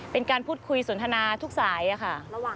เป็นการพูดคุยสนทนาทุกสายค่ะ